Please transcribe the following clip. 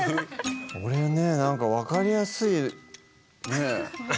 これねなんか分かりやすいね。